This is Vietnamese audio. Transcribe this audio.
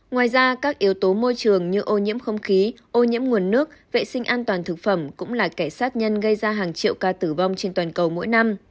ngoài ra các yếu tố môi trường như ô nhiễm không khí ô nhiễm nguồn nước vệ sinh an toàn thực phẩm cũng là kẻ sát nhân gây ra hàng triệu ca tử vong trên toàn cầu mỗi năm